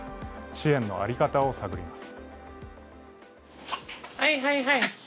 支援の在り方を探ります。